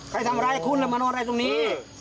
ใครทำร้ายคุณแล้วมานอนอะไรตรงนี้